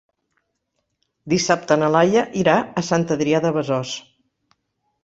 Dissabte na Laia irà a Sant Adrià de Besòs.